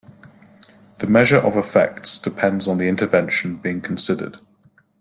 The measure of effects depends on the intervention being considered.